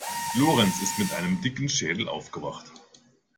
Lorenz ist mit einem dicken Schädel aufgewacht.